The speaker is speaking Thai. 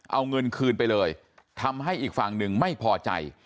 เอาเงินคืนไปเลยทำให้อีกฝั่งหนึ่งไม่พอใจ